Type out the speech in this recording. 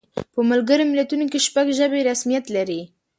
په ملګرو ملتونو کې شپږ ژبې رسمیت لري.